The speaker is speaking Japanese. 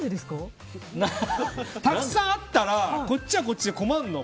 たくさんあったらこっちはこっちで困るのよ。